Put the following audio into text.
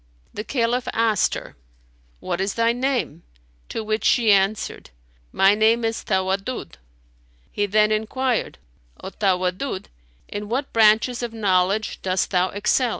The Caliph asked her, "What is thy name?"; to which she answered, "My name is Tawaddud."[FN#294] He then enquired, "O Tawaddud, in what branches of knowledge dost thou excel?"